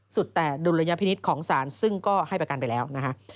สุดแต่ดุลยพินิษฐ์ของศาลซึ่งก็ให้ประกันไปแล้วนะฮะ